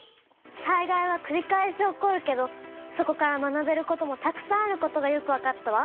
災害はくり返し起こるけどそこから学べることもたくさんあることがよくわかったわ！